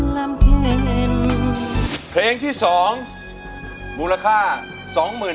ร้องได้ในเพลงที่๒ตอนนี้รับแล้ว๒มือ